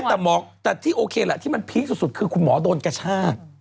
แต่หมอแต่ที่โอเคแหละที่มันพีคสุดคือคุณหมอโดนกระชาก